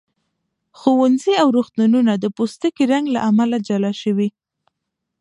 ښوونځي او روغتونونه د پوستکي رنګ له امله جلا شوي.